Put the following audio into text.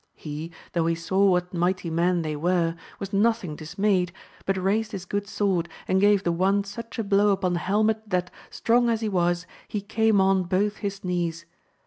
He, though he saw what mighty men they were, was nothing dismayed, but raised his good sword, and gave the one such a blow upon the helmet that, strong as he was, he came on both his knees.